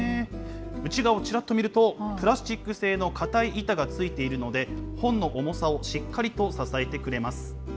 内側をちらっと見ると、プラスチック製の硬い板がついているので、本の重さをしっかりと支えてくれます。